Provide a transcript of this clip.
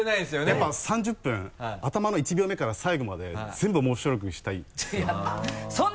やっぱ３０分頭の１秒目から最後まで全部面白くしたいんですよ。